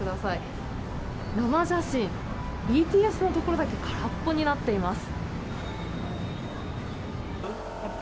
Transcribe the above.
生写真、ＢＴＳのところだけ空っぽになっています。